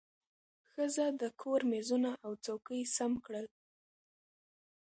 ښځه د کور مېزونه او څوکۍ سم کړل